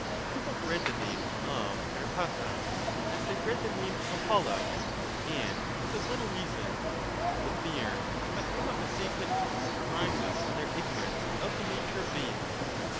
People dread the name of Pherephatta as they dread the name of Apollo, — and with as little reason ; the fear, if I am not mistaken, only arises from their ignorance of the nature of names.